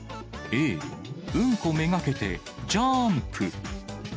Ａ、うんこ目がけてジャーンプ！